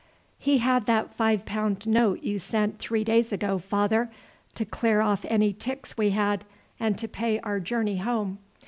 "He had that five pound note you sent three days ago, father, to clear off any ticks we had, and to pay our journey home.